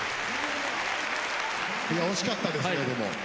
惜しかったですねでも。